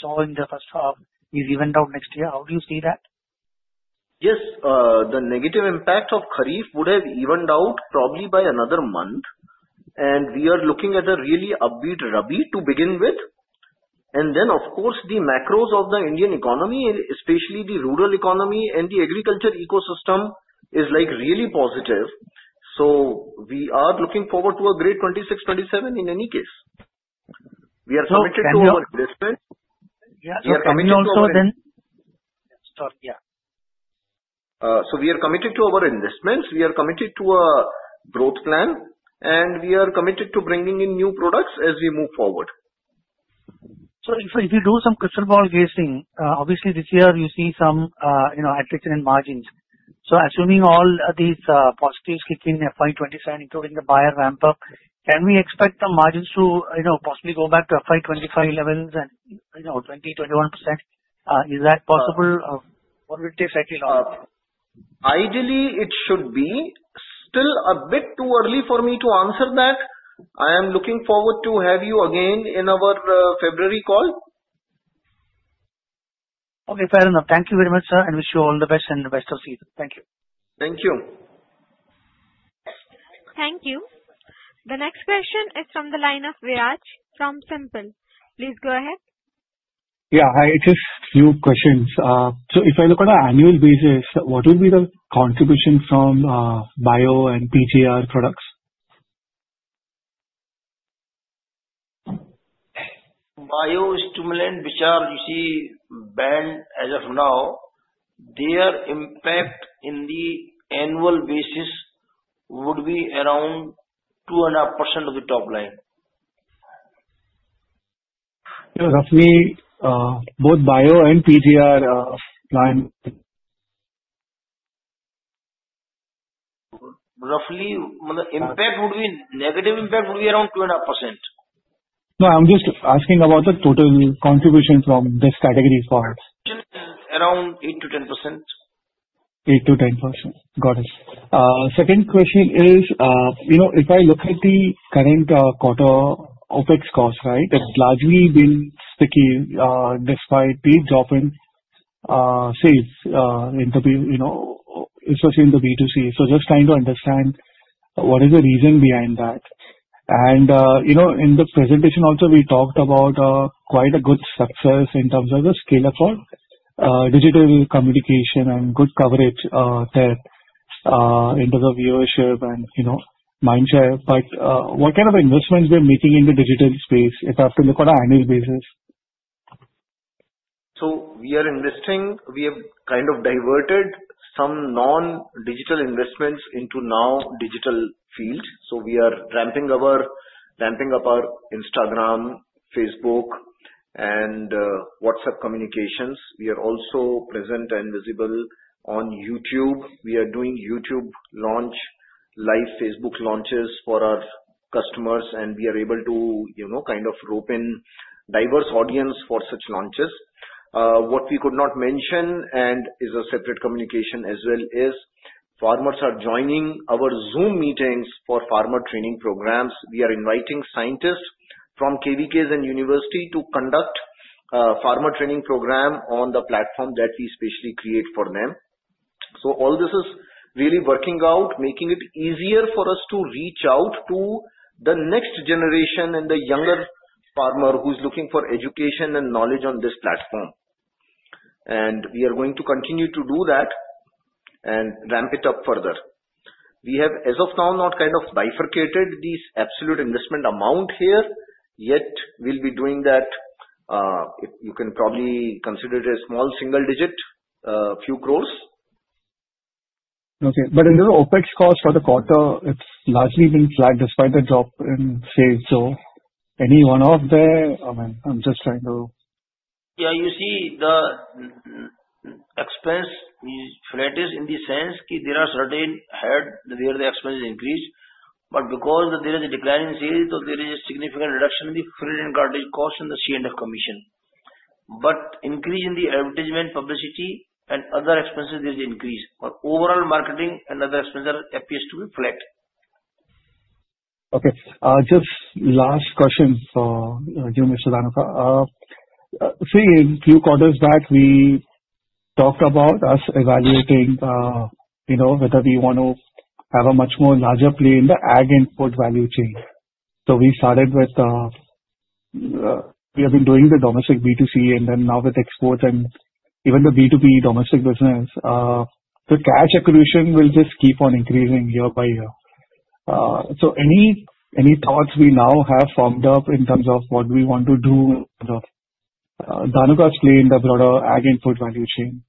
saw in the first half is evened out next year, how do you see that? Yes. The negative impact of Kharif would have evened out probably by another month. And we are looking at a really upbeat Rabi to begin with. And then, of course, the macros of the Indian economy, especially the rural economy and the agriculture ecosystem, is like really positive. So we are looking forward to a great 2026, 2027 in any case. We are committed to our investment. Yeah. So coming also then. Sorry. Yeah, so we are committed to our investments. We are committed to a growth plan, and we are committed to bringing in new products as we move forward. So if you do some crystal ball guessing, obviously this year you see some attrition in margins. So assuming all these positives kick in FY 2027, including the buyer ramp-up, can we expect the margins to possibly go back to FY 2025 levels and 20%-21%? Is that possible? What will it take? Ideally, it should be. Still a bit too early for me to answer that. I am looking forward to have you again in our February call. Okay. Fair enough. Thank you very much, sir, and wish you all the best and the best of season. Thank you. Thank you. Thank you. The next question is from the line of Viraj from SiMPL. Please go ahead. Yeah. Hi. It's just a few questions. So if I look on an annual basis, what would be the contribution from bio and PGR products? Biostimulant which are usually banned as of now, their impact in the annual basis would be around 2.5% of the top line. Roughly both bio and PGR line. Roughly, impact would be negative. Impact would be around 2.5%. No. I'm just asking about the total contribution from this category for? Around 8%-10%. 8%-10%. Got it. Second question is, if I look at the current quarter OpEx cost, right, that's largely been sticky despite the drop in sales especially in the B2C. So just trying to understand what is the reason behind that. And in the presentation also, we talked about quite a good success in terms of the scale of our digital communication and good coverage there into the viewership and mindshare. But what kind of investments we are making in the digital space if I have to look on an annual basis? We are investing. We have kind of diverted some non-digital investments into now digital field. We are ramping up our Instagram, Facebook, and WhatsApp communications. We are also present and visible on YouTube. We are doing YouTube launch, live Facebook launches for our customers, and we are able to kind of rope in diverse audience for such launches. What we could not mention and is a separate communication as well is farmers are joining our Zoom meetings for farmer training programs. We are inviting scientists from KVKs and university to conduct a farmer training program on the platform that we specially create for them. All this is really working out, making it easier for us to reach out to the next generation and the younger farmer who's looking for education and knowledge on this platform. We are going to continue to do that and ramp it up further. We have as of now not kind of bifurcated this absolute investment amount here, yet we'll be doing that. You can probably consider it a small single digit, a few crores. Okay. But in the OpEx cost for the quarter, it's largely been flat despite the drop in sales. So, any one of the, I'm just trying to. Yeah. You see, the expense is flattish in the sense that there are certain heads where the expense is increased. But because there is a decline in sales, there is a significant reduction in the freight and carting cost and the C&F commission. But increase in the advertisement, publicity, and other expenses, there is an increase. But overall marketing and other expenses appears to be flat. Okay. Just last question for you, Mr. Dhanuka. Say a few quarters back, we talked about us evaluating whether we want to have a much more larger play in the agri-input value chain. So we started with we have been doing the domestic B2C, and then now with exports and even the B2B domestic business, the cash accretion will just keep on increasing year by year. So any thoughts we now have formed up in terms of what we want to do? Dhanuka explained about our agri-input value chain.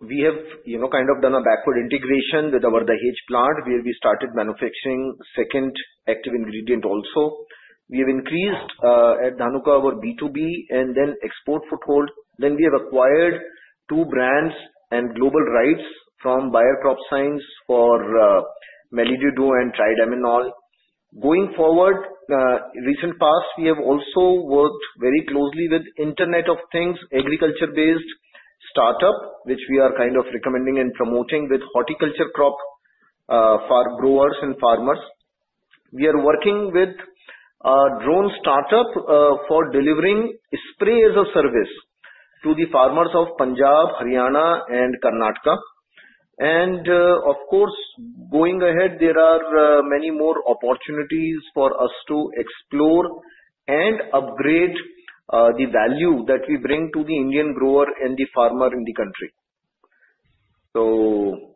We have kind of done a backward integration with our Dahej plant where we started manufacturing second active ingredient also. We have increased at Dhanuka our B2B and then export foothold. Then we have acquired two brands and global rights from Bayer CropScience for Melody Duo and Triadimenol. Going forward, recent past, we have also worked very closely with Internet of Things agriculture-based startup, which we are kind of recommending and promoting with horticulture crop for growers and farmers. We are working with a drone startup for delivering sprays of service to the farmers of Punjab, Haryana, and Karnataka, and of course, going ahead, there are many more opportunities for us to explore and upgrade the value that we bring to the Indian grower and the farmer in the country. So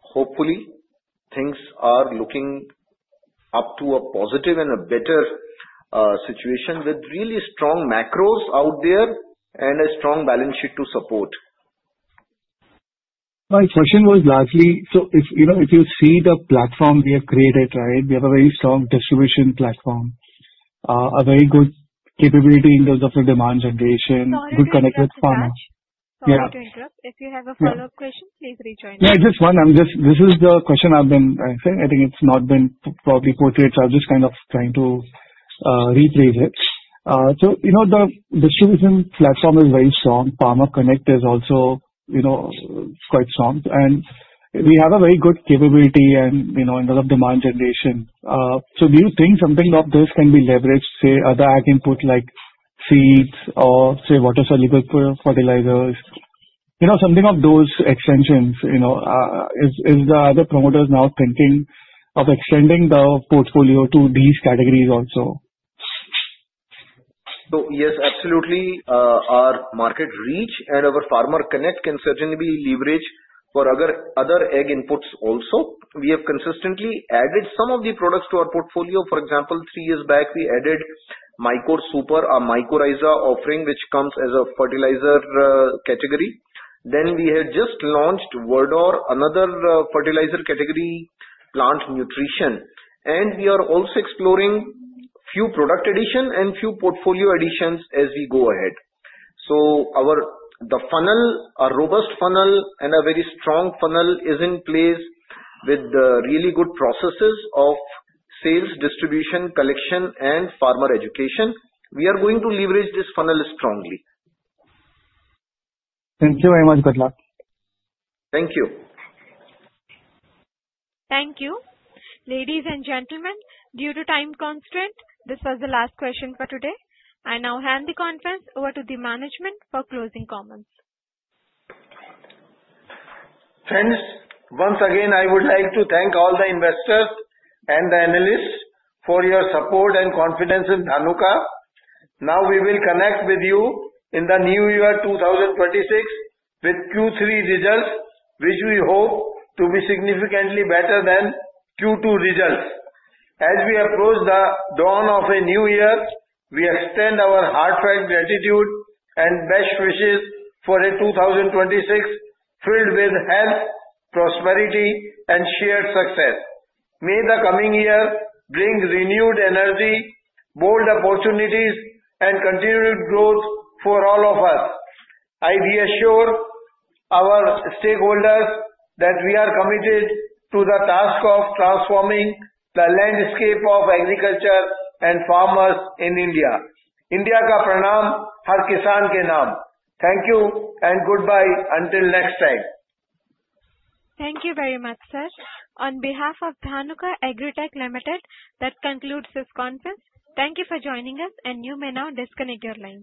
hopefully, things are looking up to a positive and a better situation with really strong macros out there and a strong balance sheet to support. My question was largely, so if you see the platform we have created, right, we have a very strong distribution platform, a very good capability in terms of the demand generation, good connect with farmers. Dhanuka, if you have a follow-up question, please rejoin us. Yeah. Just one. This is the question I've been saying. I think it's not been properly portrayed, so I'm just kind of trying to rephrase it. So the distribution platform is very Farmer connect is also quite strong. And we have a very good capability and a lot of demand generation. So do you think something of this can be leveraged, say, other ag input like seeds or, say, water soluble fertilizers? Something of those extensions. Is the other promoters now thinking of extending the portfolio to these categories also? Yes, absolutely. Our market reach and Farmer connect can certainly be leveraged for other ag inputs also. We have consistently added some of the products to our portfolio. For example, three years back, we added Mycore Super, a Mycorrhiza offering which comes as a fertilizer category. Then we had just launched Vardh, another fertilizer category, plant nutrition. And we are also exploring a few product additions and a few portfolio additions as we go ahead. So the funnel, a robust funnel and a very strong funnel is in place with the really good processes of sales, distribution, collection, and farmer education. We are going to leverage this funnel strongly. Thank you very much, Badla. Thank you. Thank you. Ladies and gentlemen, due to time constraint, this was the last question for today. I now hand the conference over to the management for closing comments. Friends, once again, I would like to thank all the investors and the analysts for your support and confidence in Dhanuka. Now we will connect with you in the new year 2026 with Q3 results, which we hope to be significantly better than Q2 results. As we approach the dawn of a new year, we extend our heartfelt gratitude and best wishes for a 2026 filled with health, prosperity, and shared success. May the coming year bring renewed energy, bold opportunities, and continued growth for all of us. I reassure our stakeholders that we are committed to the task of transforming the landscape of agriculture and farmers in India. India Ka Pranam, Har Kisan Ke Naam. Thank you and goodbye until next time. Thank you very much, sir. On behalf of Dhanuka Agritech Limited, that concludes this conference. Thank you for joining us, and you may now disconnect your line.